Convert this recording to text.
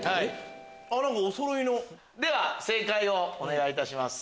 おそろいの！では正解をお願いいたします。